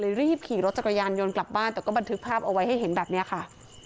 รีบขี่รถจักรยานยนต์กลับบ้านแต่ก็บันทึกภาพเอาไว้ให้เห็นแบบนี้ค่ะ